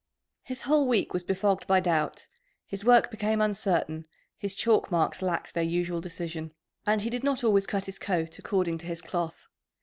His whole week was befogged by doubt, his work became uncertain, his chalk marks lacked their usual decision, and he did not always cut his coat according to his cloth.